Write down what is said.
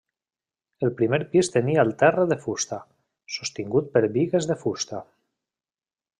El primer pis tenia el terra de fusta, sostingut per bigues de fusta.